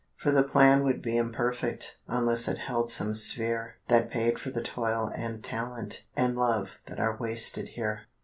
For the plan would be imperfect Unless it held some sphere That paid for the toil and talent And love that are wasted here.